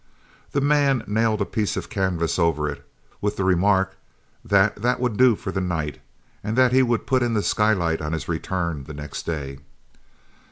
The man nailed a piece of canvas over it, with the remark that that would do for the night, and that he would put in the skylight on his return the next day.